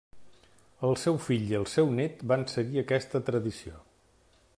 El seu fill i el seu nét van seguir aquesta tradició.